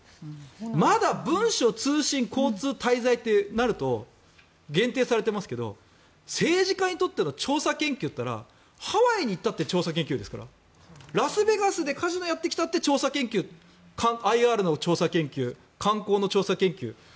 まだ文書通信交通滞在ってなると限定されていますけど政治家にとっての調査研究ってハワイに行ったって調査研究ですからラスベガスでカジノやってきたって調査研究ＩＲの調査研究観光の調査研究。